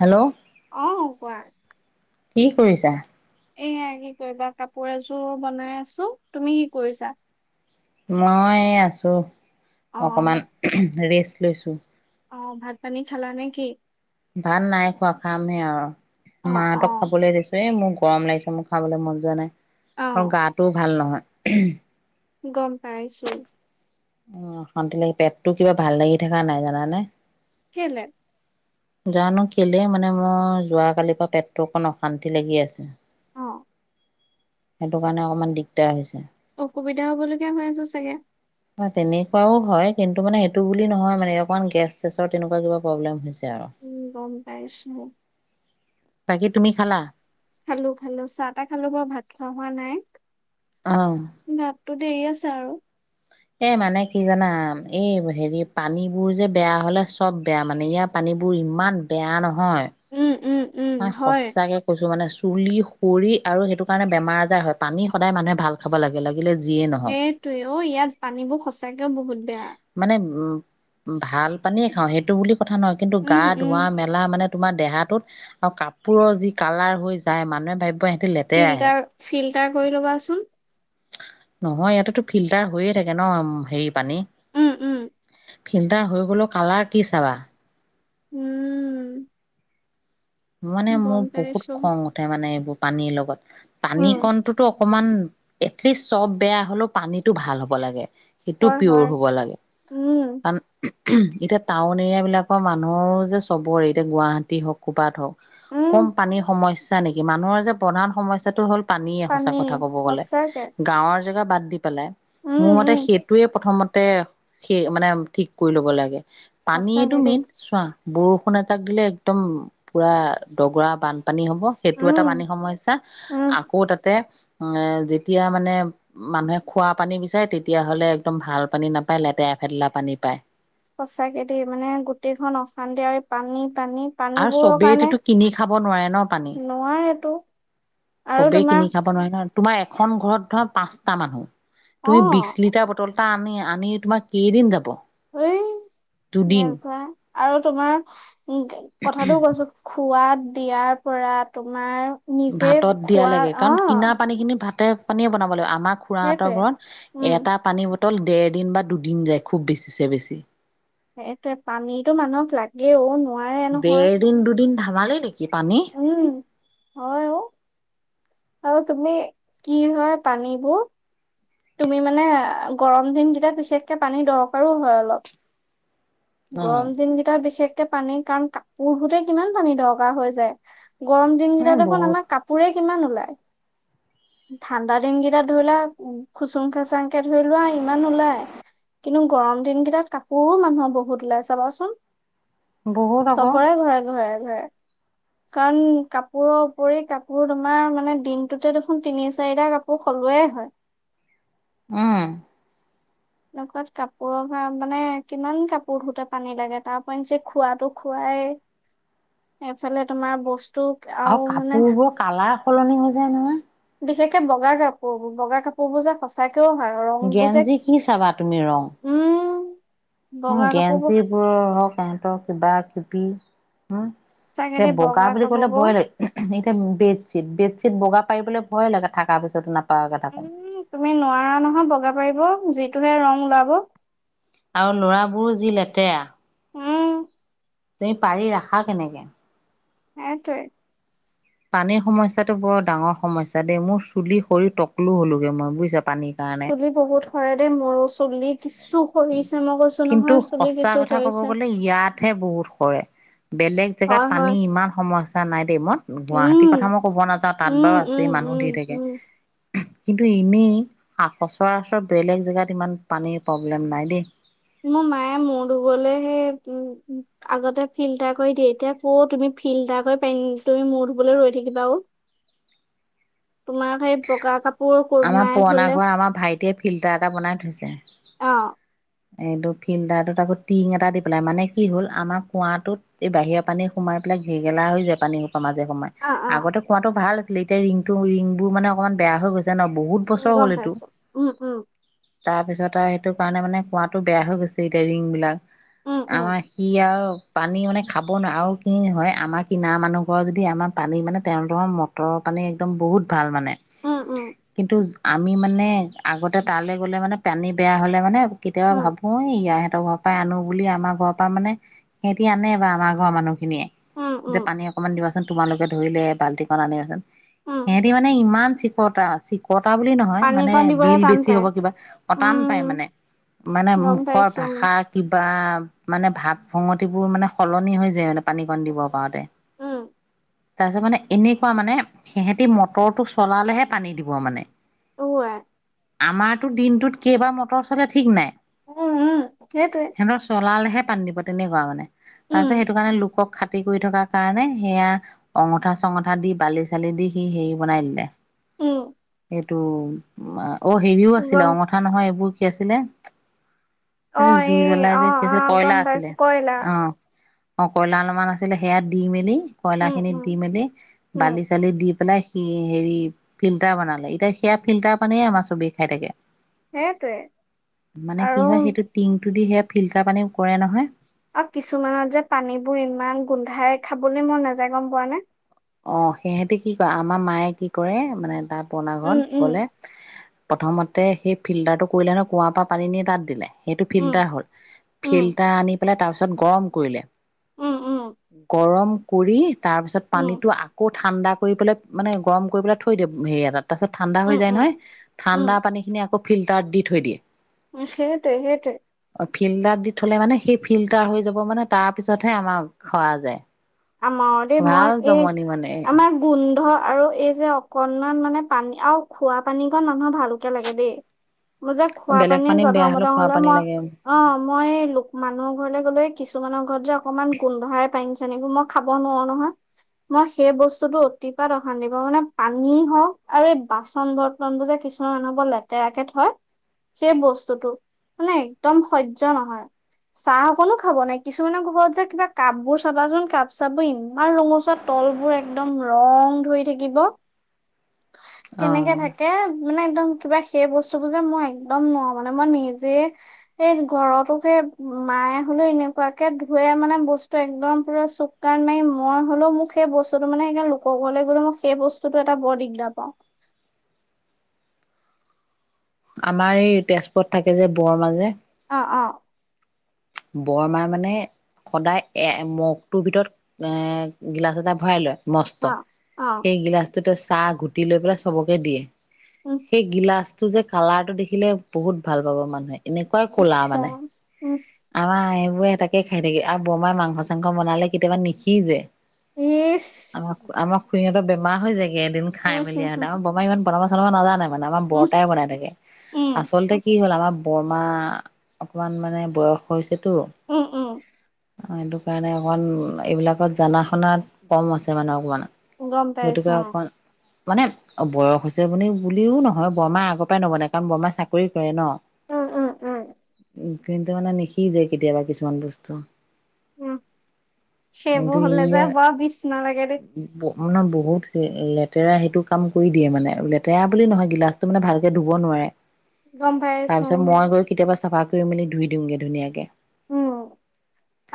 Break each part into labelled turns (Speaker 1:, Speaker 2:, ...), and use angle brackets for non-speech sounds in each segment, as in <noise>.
Speaker 1: Hello
Speaker 2: অ', কোৱা।
Speaker 1: কি কৰিছা?।
Speaker 2: এয়া, কি কৰিবা কাপোৰ এযোৰ বনাই আছো, তুমি কি কৰিছা?।
Speaker 1: মই, আছো।
Speaker 2: অ বা-
Speaker 1: অকমান ৰেষ্ট। <unintelligible>
Speaker 2: অ', ভাত পানী খালা নে কি?।
Speaker 1: ভাত নাই খোৱা, খামহে
Speaker 2: অ
Speaker 1: আৰু।
Speaker 2: অ
Speaker 1: মাহঁতক খাবলৈ দিছো এ, মোক গৰম লাগিছে মোৰ খাবলৈ মন যোৱা নাই।
Speaker 2: অ
Speaker 1: আৰু গাটোও ভাল নহয়। <unintelligible>
Speaker 2: গম পাইছো।
Speaker 1: উ অশান্তি লাগে পেটটো কিবা ভাল লাগি থকা নাই জানানে।
Speaker 2: খেলে?
Speaker 1: জানো কেলে মানে মোৰ যোৱ কালিৰ পৰা পেটটো অকণ অশান্তি লাগি আছে।
Speaker 2: অ।
Speaker 1: সেইটো কাৰণে অকমান দিগদাৰ হৈছে।
Speaker 2: অসুবিধা হবলগীয়া হৈ আছে চাগে।
Speaker 1: তেনেকুৱাও হয় কিন্তু মানে সেইটো বুলি নহয় মানে অকণমান গেছ চেছৰ তেনেকুৱা কিবা প্ৰব্লেম হৈছে। আৰু।
Speaker 2: উম গম পাইছো।
Speaker 1: বাকী তুমি খালা।
Speaker 2: খালো খালো চাহ তাহ খালো বৰ ভাত খোৱা হোৱা নাই।
Speaker 1: অ।
Speaker 2: তও দেৰি আছে আৰু।
Speaker 1: এ মানে কি জানা এই হেৰি পানীবোৰ যে বেয়া হলে চব বেয়া মানে ইয়াৰ পানীবোৰ ইমান বেয়া নহয়।
Speaker 2: উম। উম উম
Speaker 1: মানে
Speaker 2: হয়
Speaker 1: সঁচাকে কৈছো মানে চুলি খৰি আৰু সেইটো কাৰণে বেমাৰ আজাৰ হয় পানী সদায় মানুহে ভাল খাব লাগে লাগে
Speaker 2: সেইটোয়ে অ ইয়াত পানীবোৰ সঁচাকেই বহুত বেয়া।
Speaker 1: মানে উম ভাল পানীয়ে খাওঁ সেইটো বুলি কথা নহয় কিন্তু গা
Speaker 2: উম উম
Speaker 1: ধোৱা মেলা মানে তোমাৰ দেহাটোত আৰু কাপোৰৰ যি কালাৰ হৈ যায় মানুহে ভাবিব লেতেৰাহে
Speaker 2: ফিল্টাৰ ফিল তাৰ কৰি লবাচোন।
Speaker 1: নহয় ইয়াতেতো ফিল্টাৰ হৈয়ে থাকে ন, হেৰি পানী
Speaker 2: উম উম।
Speaker 1: ফিল্টাৰ হৈ গলো কালাৰ কি চাবা।
Speaker 2: উউম।
Speaker 1: মানে মোৰ বহুত খং উঠে মানে এইবোৰ। পানীৰ লগত। পানী
Speaker 2: উম,
Speaker 1: কণটোতো অকমান। এটলিষ্ট চব বেয়া হলেও, পানীটো ভাল হ'ব লাগে। সেইটো
Speaker 2: হয়,
Speaker 1: পিয়ৰ
Speaker 2: হয়,
Speaker 1: হ'ব লাগে,
Speaker 2: উম,
Speaker 1: কাৰণ <unintelligible> <unintelligible> এতিয়া টাউন এৰিয়া বিলাকৰ মানুহৰ যে চবৰে, এতিয়া গুৱাহাটী হওক পা হক
Speaker 2: উম,
Speaker 1: কম পানীৰ সমইচ <unintelligible> নেকি মানুহৰ যে প্ৰধান সমস্যাটো হ'ল। পানীয়ে, সচা
Speaker 2: পানী
Speaker 1: কথা ক'ব গ'লে,
Speaker 2: সঁচাকে,
Speaker 1: গাঁৱৰ জেগা বাদ দি। পেলাই মোৰ
Speaker 2: উম,
Speaker 1: মতে
Speaker 2: উম,
Speaker 1: সেইটোয়ে প্ৰথমত। তে সেই মানে ঠিক কৰি ল'ব লাগে। পানীয়েটো
Speaker 2: সঁচাকে দেই,
Speaker 1: মেইন চোৱা। বৰষুণ এজাক দিলে একদম। পুৰা দগৰা বান। পানী হ'ব সেইটো এটা
Speaker 2: উম,
Speaker 1: পানী সমস্যা।
Speaker 2: উম,
Speaker 1: আকৌ তাতে। এ যেতিয়া মানে মানুহে খোৱা পানী বিচাৰে তেতিয়া হলে একদম ভাল পানী নাপায় লেতেৰা ফেতেলা পানী পায়।
Speaker 2: সঁচাকে দেই, মানে গোটেইখন অশান্তি <inaudible> পানী।
Speaker 1: আৰু
Speaker 2: পানীবোৰৰ কাৰণে
Speaker 1: চবেইটো কিনি খাব নোৱাৰে ন পানী।
Speaker 2: নোৱাৰেতো আৰু
Speaker 1: চবেই
Speaker 2: তোমাৰ
Speaker 1: কিনি খাব নোৱাৰে নহয়। তোমাৰ এখন ঘৰত ধৰা পাঁচটা মানুহ। তুমি বিশ
Speaker 2: অ',
Speaker 1: লিটাৰ বটল। এটা আনি আনি তোমাৰ কেইদিন যাব?
Speaker 2: এই
Speaker 1: দুদিন
Speaker 2: নেজাই। আৰু তোমাৰ উ কথাটো কৈছো খোৱাত। দিয়াৰ পৰা তোমাৰ। নিজে
Speaker 1: ভাতত দিয়া
Speaker 2: খোৱা
Speaker 1: লেকে, কাৰণ কিনা
Speaker 2: অ',
Speaker 1: পানী খিনি ভাত তে পানীয়ে বনাব লাগিব <inaudible> আমাৰ খুৰাহঁতৰ
Speaker 2: সেইটোৱে,
Speaker 1: ঘৰত,
Speaker 2: উম,
Speaker 1: এটা পানী ব। টল ডেৰ দিন বা দুদিন যায়, খুব বেছিছে বেছি।
Speaker 2: সেইটোৱেই পানীতো মানুহক লাগেও। নোৱাৰে
Speaker 1: <unintelligible>
Speaker 2: নহয়।
Speaker 1: ধেমালি নিকি? কি পানী?
Speaker 2: উম হয় অ আৰু তুমি কি হয়, ‌ পানীবোৰ তুমি মানে গৰম দিন যেতিয়া পিছতকে পানী দৰকাৰো হয় অলপ।
Speaker 1: অ
Speaker 2: গৰম দিনকেইটা বিশেষ পানী কাৰণ কাপোৰ ধোওঁতে কিমান পানী দৰকাৰ হৈ যায়। গৰম দিন
Speaker 1: এ
Speaker 2: কেইটা দেখোন
Speaker 1: বহুত
Speaker 2: আমাৰ কাপোৰে কিমান ওলাই? ঠাণ্ডা দিন কেইটাত ধৰিলোৱা, খুচুং খেচাংকে ধৰি লোৱা ইমান ওলাই, কিন্তু গৰম দিন কেইটটা কাপোৰও মানুহৰ বহুত উলায় ছাবাচোন।
Speaker 1: বহুত আকৌ
Speaker 2: চবৰে ঘৰে ঘৰে কাৰণ কাপোৰৰ উপৰি কাপোৰ তোমাৰ মানে দিনটোতে দেখোন তিনি চাৰিটা কাপোৰ সলোৱেই হয়।
Speaker 1: উম।
Speaker 2: এনেকুৱাত কাপোৰৰ পৰা মানে কিমান কাপোৰ ধোওঁতে পানী লাগে, তাৰপিছত নিজে খোৱাটো খোৱাই সফালে তোমাৰ বস্তু‌
Speaker 1: আৰু কাপোৰ বোৰ কালাৰ সলনি হৈ যায় নহয়।
Speaker 2: বিশেষকে বগা কাপোবোৰ বগা কাপোৰ বোৰ যে সঁচাকে কিয় হয় ৰংবুজা,
Speaker 1: গেঞ্জি কি চাবা
Speaker 2: উম।
Speaker 1: উ
Speaker 2: বগা কাপোৰবোৰ
Speaker 1: গেঞ্জিবোৰৰ হক সহঁতৰ কিবা সুপি উ
Speaker 2: সঁচাকে
Speaker 1: যে
Speaker 2: দেই
Speaker 1: বগা বুলি বুলি ক'বলৈ
Speaker 2: কাপোৰবোৰ
Speaker 1: ভয় লাগে। এই বেত বে বগা পাৰিবলৈ ভয় লাগে থাকাৰ পিছত নাপ
Speaker 2: উম তুমি নোৱাৰা নহয় বগা পাৰিব যি তুহে ৰং ওলাব।
Speaker 1: আৰু ল'ৰাবোৰো যি লেতেৰা
Speaker 2: উম
Speaker 1: তুমি পাৰি ৰাখা কেনেকে?
Speaker 2: সেইটোয়ে।
Speaker 1: পানীৰ সমস্যাটো বৰ ডাঙৰ সমস্যা দেই মোৰ চুলি সৰি তকলো হ'লোগে মই বুজিছা। পানীৰ কাৰণে
Speaker 2: চুলি বহুত সৰে দেই মোৰো চুলি কিছু সৰিছে মই কৈছো
Speaker 1: কিন্তু
Speaker 2: নহয় চুলি
Speaker 1: সচা
Speaker 2: কিছু
Speaker 1: কথা ক'ব
Speaker 2: সৰিছে
Speaker 1: গলে ইয়াতহে বহুত সৰে। বেলেগ জেগাত
Speaker 2: হয় হয়
Speaker 1: পানী ইমান সমস্যা নাই দেই, মই গুৱাহাটীৰ কথা
Speaker 2: উম
Speaker 1: মই কব নাযাওঁ তাত বাৰু
Speaker 2: উম উম
Speaker 1: আছেই মানুহ
Speaker 2: উম
Speaker 1: ধেৰ থাকে।
Speaker 2: উম
Speaker 1: কিন্তু এনেই সচৰাচৰ বেলেগ জেগাত ইমান পানী প্ৰব্লেম নাই দেই।
Speaker 2: মোৰ মায়ে মূৰ ধুবলৈ সেই আগতে ফিল্টাৰ কৰি দিয়ে এতিয়া ক'ত‌ তুমি ফিল্টাৰ কৰি তুমি মূৰ ধুবলৈ ৰৈ থাকিবা আৰু, তোমাৰ আকৌ এ
Speaker 1: আমাৰ পুৰণা ঘৰত আমাৰ ভাইটিয়ে ফিল্টাৰ এটা বনাই থৈছে।
Speaker 2: অ
Speaker 1: এইটো ফিল্টাৰটোত আকৌ টিং এটা দি পেলাই মানে কি হ'ল আমাৰ কুঁৱাটোত এই বাহিৰৰ পানী সোমাই পেলাই ঘেগেলা হৈ যায় পানী মাজে সময়ে
Speaker 2: অ অ
Speaker 1: আগতে কুঁৱাটো ভাল এতিয়া ৰিংটো ৰিং বোৰ মানে অকণমান বেয়া হৈ গৈছে। জান বহুত বছৰ
Speaker 2: গম
Speaker 1: হ'ল এইটো
Speaker 2: পাইছো উম উম
Speaker 1: তাৰপিছত আৰু সেইটো কাৰণে মানে কুঁৱাটো বেয়া হৈ গৈছে এতিয়া ৰিং বিলাক।
Speaker 2: উম উম
Speaker 1: আমাৰ সি আৰু পানী মানে খাব নোৱোৰে আৰু কি হয় আমাৰ কিনাৰৰ মানুহ ঘৰ যদি আমাৰ পানী মানে তেওঁলোকৰ মটৰৰ পানী একদম বহুত ভাল মানে।
Speaker 2: উম উম।
Speaker 1: কিন্তু আমি মানে আগতে তালৈ গ'লে মানে পানী বেয়া হ'লে মানে কেতিয়াবা
Speaker 2: উম উম
Speaker 1: ভাবো ইয়া তাৰ ঘৰ পৰা আনো বুলি আমাৰ ঘৰৰ পৰা মানে সিহঁতি আনে বা আমাৰ ঘৰ মানুহ খিনিয়ে
Speaker 2: উম
Speaker 1: যে
Speaker 2: উম
Speaker 1: পানী অকমান দিবাচোন। তোমালোকে ধৰিলে বাল্টিখন আনিবাচোন।
Speaker 2: উম
Speaker 1: সিহঁতি মানে ইমান ঠিকতা আছে <unintelligible> কতা বুলি নহয়
Speaker 2: পানী
Speaker 1: মানে
Speaker 2: কণ দিবলৈ
Speaker 1: বিল
Speaker 2: টান
Speaker 1: বেছি
Speaker 2: পায়
Speaker 1: হ'ব কিবা টান পাই
Speaker 2: উম
Speaker 1: মানে মানে
Speaker 2: গম
Speaker 1: মুখৰ
Speaker 2: পাইছো উম
Speaker 1: ভাষা কিবা বাহ মানে ভাত ভঙতি বোৰ মানে সলনি হৈ যায় এনেকুৱা পানীকণ দিব পাওঁতে
Speaker 2: উম
Speaker 1: তাৰপিছত মানে এনেকুৱা মানে সিহঁতি মটৰটো চলালেহে পানী দিব পোৱা মানে
Speaker 2: অহ ওৱাই
Speaker 1: আমাৰটো দিনটোত কেইবাৰ মটৰ চলে ঠিক নাই।
Speaker 2: উম উম সেইটোৱে
Speaker 1: সিহঁতৰ চলালে হে পানী দিব তেনেকুৱা মানে
Speaker 2: উম
Speaker 1: তাৰপিছত সেইটো কাৰণে লোকক খাটি খাটিৰ কৰি থকাৰ কাৰণে সেয়া অঙঠা চঙঠা দি বালি চালি দি সি হেৰি বনাই দিলে
Speaker 2: উম
Speaker 1: সেইটো মা অ হেৰিও আছিলে
Speaker 2: গম
Speaker 1: অঙঠা নহয় এইবোৰ কি আছিলে
Speaker 2: অহ
Speaker 1: জুই
Speaker 2: এহ
Speaker 1: জ্বলাই
Speaker 2: অ
Speaker 1: যে কি আছিলে
Speaker 2: অ গম পাইছোঁ কয়লা
Speaker 1: অহ কয়লা অলপমান আছিলে সেয়া দি মেলি
Speaker 2: উম
Speaker 1: কঢ়লাখিনিত
Speaker 2: উম
Speaker 1: দি মেলি
Speaker 2: উম
Speaker 1: বালি চালি দি পেলাই কি হেৰি ফিল্টাৰ বনালে এতিয়া সেয়া ফিল্টাৰৰ পানীয়ে আমাৰ চবে খাই থাকে।
Speaker 2: সেইটোৱে
Speaker 1: মানে কি
Speaker 2: আৰু
Speaker 1: হয় সেইটো টিঙটো দিহে ফিল্টাৰ পানী কৰে নহয়
Speaker 2: অ কিছুমানত যে পানীবোৰ ইমান গোন্ধাই খাবলৈ মই নেযায় গম পোৱা নে
Speaker 1: অ সিহঁতে কি ক আমাৰ মায়ে মানে কি কৰে মানে তাত পনা ঘন
Speaker 2: উম উম
Speaker 1: গলে প্ৰথমতে সেই ফিল্টাৰটো কৰিলে নহয় কুঁৱাৰ পৰা পানী নি তাত দিলে সেইটো ফিল্টাৰ হ'ল
Speaker 2: উম
Speaker 1: ফিল্টাৰ আনি পেলাই তাৰপিছত গৰম কৰিলে
Speaker 2: উম উম
Speaker 1: গৰম কৰি তাৰপিছত
Speaker 2: উম উম
Speaker 1: পানীত আকৌ ঠাণ্ডা কৰি পেলাই মানে গৰম কৰি পেলাই থৈ দিম হেৰি এটাত তাৰ পছত ঠাণ্ডা
Speaker 2: উম
Speaker 1: হৈ যায়
Speaker 2: উম
Speaker 1: নহয় ঠাণ্ডা পানী খিনি আকৌ ফিল্টাৰ দি থৈ দিয়ে
Speaker 2: উ সেইটোৱ সেইটেৱেই
Speaker 1: ফিল্টাৰ দি থলে মানে সেই ফিল্টাৰ হৈ যাব মানে তাৰ পিছতহে আমাৰ খোৱা যায়
Speaker 2: আমৰে মই
Speaker 1: ভাল
Speaker 2: এই
Speaker 1: জমনি মানে
Speaker 2: আমাৰ গোন্ধ আৰু এই যে অকনমান মানে পানী আৰু খোৱা পানী গণ মানুহৰ ভালকে লাগে দেই মোৰ যে খোৱা
Speaker 1: বেলেগ
Speaker 2: পানী জধাং
Speaker 1: বেয়া হলেও
Speaker 2: মধাং
Speaker 1: খোৱা
Speaker 2: হলে
Speaker 1: পানী
Speaker 2: মই
Speaker 1: লাগে।
Speaker 2: অ মই লোক মানুহৰ ঘৰলৈ গ'লে কিছুমানৰ ঘৰত যে অকনমান গোন্ধাই পাইমছান মই খাব নোৱাৰো নহয় মই সেই বস্তুতটো অতিপাত অশান্ত প মানে পানী হওঁক আৰু এই বাচন বৰ্তন বোৰ যে কিছুমান ব লেতেৰাকৰাকে থয় সেই বস্তুতটো মানে একদম সহ্য় নহয় চাহ অকনো খাব নাই কিছুমানৰ ঘোবৰত যে কিবা কাপ বোৰ চাবা যোন কাপ চাব ইমান ৰঙচুৱা তলবোৰ একদম ৰং ধৰি থাকিব কেনেকে থাকে মানে একদম কিবা সেই বস্তুবোৰ যে মই একদম নোৱাৰ মানে মই নিজে স ঘৰতো সেই মায়ে হলেও এনেকুৱাকে ধুৱে মানে বস্তু একদম পুৰা চক কাৰণ মানে মই হ'লেও মোক সেই বস্তুটো মানে সেইকাৰণ লোকৰ ঘৰলৈ গলেও মই সেই বস্তুটো এটা বৰ দিগদাৰ পাওঁ
Speaker 1: আমাৰ এই তেজপুৰত থাকে যে বৰ মাজে
Speaker 2: অ অ
Speaker 1: বৰমাই মানে সদায় এ মগটোৰ ভিতৰত এ গিলাচ এটা ভৰাই লয় মস্ত
Speaker 2: অ অ
Speaker 1: সেই গিলাছটো ত চাহ গুটি লৈ পেলাই চবকে দিয়ে
Speaker 2: ইচ
Speaker 1: সেই গিলাস টো যে কালাৰ টো দেখিলে বহুত ভাল পাব মানুহে এনেকুৱাই
Speaker 2: ইচ
Speaker 1: কলা মানে
Speaker 2: ৰাম ইচ
Speaker 1: অ ব <unintelligible> একে খাই থাকে আৰু বৰমাই মাংস চাংস বনালে কেতিয়াবা নিশিজে
Speaker 2: ইছ
Speaker 1: সুহঁত <unintelligible> বেমা হৈ যায় এদিন খাই মেলি আৰু আৰু
Speaker 2: ইচ
Speaker 1: বমা ইমান <unintelligible> নাজানে। মানে আমাৰ বৰটাই বনাই থাকে,
Speaker 2: উম
Speaker 1: আচলতে কি হ'ল আমাৰ বৰমা অকমান মানে বয়স হৈছে টো।
Speaker 2: হম হম উম উম উম
Speaker 1: সেইটো কাৰণে অকণ এইবিলাকত জনা শুনাত কম আছে মানে অকণমান।
Speaker 2: গম পাইছোঁ অঁ।
Speaker 1: মানে বয়স হৈছে বুলি বুলিও নহয়, বৰমা আগৰ পৰাই নবনাই কাৰণ বৰমাই চাকৰি কৰে ন।
Speaker 2: উম উম উম
Speaker 1: উম্। কিন্তু মানে নি কি যায় কেতিয়াবা কিছুমান বস্তু।
Speaker 2: উম,
Speaker 1: কিন্তু
Speaker 2: সেইবোৰ হলে যে বৰ বিছনা লাগেদে।
Speaker 1: আৰু নহয় বহুত লেতেৰা সেইটো কাম কৰি দিয়ে মানে, লেতেৰা বুলি নহয় গিলাচটো মানে ভালকে ধুব নোৱাৰে।
Speaker 2: গম
Speaker 1: তাৰ পিছত
Speaker 2: পাইছো
Speaker 1: মই গৈ কেতিয়াবা চাফা কৰি মেলি ধুই দিওঁগে ধুনিয়াক
Speaker 2: উম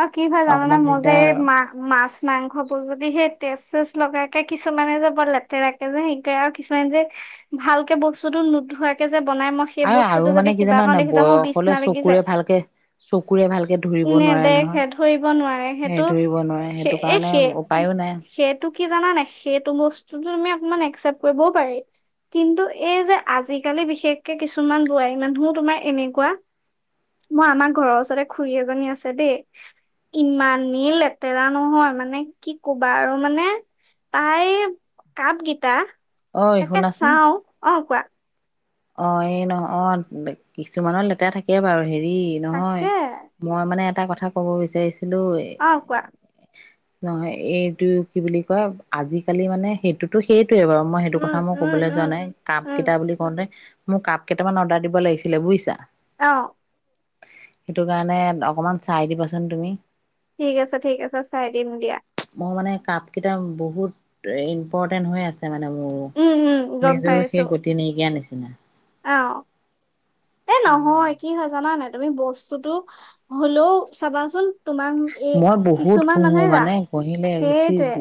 Speaker 2: আৰু কি হয় জানানে
Speaker 1: অকমান
Speaker 2: মোৰ যে
Speaker 1: দিগদাৰ
Speaker 2: এই মা মাছ মাংস বোৰ যদি সেই তেজ চেজ লগাকে কিছুমানে যে বৰ লেতেৰাকে যে হেৰি কৰে আৰু কিছুমানে যে ভালকে বস্তুতো নোধুৱাকে
Speaker 1: আৰু-আৰু মানে কি জানা নাই,
Speaker 2: যাওঁ মোৰ
Speaker 1: বয়স হ'লে
Speaker 2: বিচনা লাগি
Speaker 1: চকুৰে
Speaker 2: যায়।
Speaker 1: ভালকে চকু
Speaker 2: নেদেখে ধৰিব নোৱাৰে
Speaker 1: সেই
Speaker 2: সেইটো,
Speaker 1: ধৰিব নোৱাৰে
Speaker 2: স
Speaker 1: সেইটো
Speaker 2: এই
Speaker 1: কাৰণে উপায়ো নাই
Speaker 2: সেইটো কি জানানে সেইটো বস্তুটো তুমি অকমান একচ্চেপ্ত কৰিবও পাৰি, কিন্তু এই যে আজিকালি বিশেষকে কিছুমান বোৱাৰী মানুহো তোমাৰ এনেকুৱা, মই আমাৰ ঘৰৰ ওচৰৰ ওচৰতে খুৰী এজনী আছে দেই, ইমানেই লেতেৰা নহয় মানে কি ক'বা আৰু মানে তাইৰ কাপগেইটা
Speaker 1: ঐ
Speaker 2: তাকে চাও, অঁ কোৱা।
Speaker 1: অঁ এই নহ অঁ কিছুমানৰ লেতেৰা থাকে বাৰু হেৰি ৰি নহয়
Speaker 2: তাকে
Speaker 1: মই মানে এটা কথা ক'ব বিচাৰিছো ছিলো
Speaker 2: অ কোৱা
Speaker 1: নহয় এইটো কি বুলি কয়, আজিকালি মানে সেইটোতো সেই টোয়ে বাৰু মই সেইটো
Speaker 2: উম
Speaker 1: কথা মই
Speaker 2: উম
Speaker 1: ক'বলৈ যোৱা
Speaker 2: উম
Speaker 1: নাই কাপ
Speaker 2: উম
Speaker 1: কেইটা বুলি কওঁতে মোৰ কাপ কেইটামান অৰ্ডাৰ দিব লাগিছিলে বুইছা।
Speaker 2: অঁ।
Speaker 1: সেইটো কাৰণে অকমান চাই দিবাচোন তুমি।
Speaker 2: ঠিক আছে ঠিক আছে চাই দিম দিয়া।
Speaker 1: মোৰ মানে কাপ কেইটা বহুত ইম্পৰ্টেণ্ট হৈ আছে। আছে মানে মোৰ,
Speaker 2: উম উম গম
Speaker 1: নিজৰ সেই গতি নাইকিয়া নিচিনা দি
Speaker 2: অঁ এ
Speaker 1: উম
Speaker 2: নহয় কি হয় জান নে তুমি বস্তুতটো হ'লেও চাবাচোন তোমাক এই
Speaker 1: মই বহুত
Speaker 2: কিছুমান
Speaker 1: পহো
Speaker 2: মানুহে ৰাস
Speaker 1: মানে পহিলে গুচি
Speaker 2: সেইটোৱে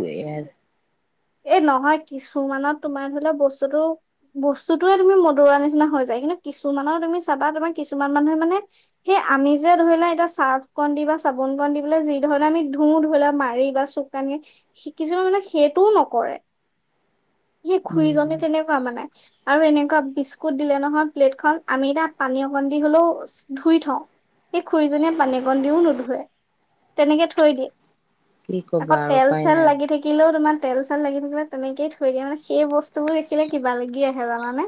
Speaker 2: এ নহয় কিছুমানত তোমাৰ ধৰি লোৱা বস্তুতটো বস্তুতয়ে তুমি মদুৰা নিচিনা হৈ যায়। কিন্তু কিছুমানত তুমি চাবা, তোমাৰ কিছুমান মানুহে মানে সেই আমি যে ধৰি লোৱা এতিয়া চাৰ্ফ কণ দি বা চাবোন কণ দি পেলায় যি ধৰণে আমি ধুওঁ ধৰি লোৱা মাৰি বা চুক কানি কিছুমান মানে সেইটোওঁ নকৰে কৰে সেই খুৰীজনে
Speaker 1: উম
Speaker 2: তেনেকুৱা মানে আৰু এনেকুৱা বিস্কুট দিলে নহয় প্লেটখন আমি এতিয়াও পানী অকণ দি হলেও ধুই থওঁ সেই খুৰিজনীয়ে পানী অকণ দিও নুধুুৱে তেনেকৈ থৈ দিয়ে
Speaker 1: কি ক'বা
Speaker 2: আকৌ
Speaker 1: আৰু
Speaker 2: তেল
Speaker 1: উপায়
Speaker 2: চেল
Speaker 1: নাই আৰু।
Speaker 2: লাগি থাকিলেও তোমাৰ তেল চেল লাগি থাকে তেনেকৈয়ে থৈ দিয়ে মানে সেই বস্তু বোৰ দেখিলে কিবা লাগি আহে তাৰ মানে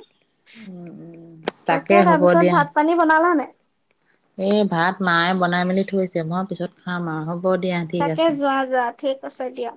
Speaker 1: উম, উম।
Speaker 2: তাকে তাৰপিছত ভাত পানী বনালা নাই
Speaker 1: এ ভাত মায়ে বনাই মেলি থৈছে মই পিছত খাম আৰু হ'ব দিয়া ঠিক
Speaker 2: তাকে
Speaker 1: আছে
Speaker 2: যোৱা যোৱা ঠিক আছে হয় দিয়া